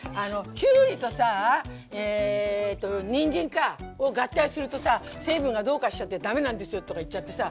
きゅうりとさえとにんじんか！を合体するとさ成分がどうかしちゃって駄目なんですよとか言っちゃってさ。